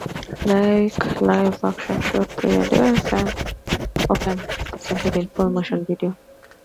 Like live-action shoots, pre-rendered cutscenes are often presented in full motion video.